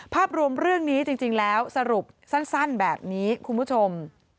ภาพรวมเรื่องนี้จริงแล้วสรุปสั้นแบบนี้คุณผู้ชม